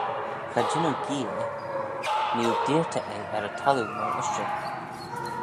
"Cha jean oo gee eh; nee oo deayrtey eh er y thalloo myr ushtey."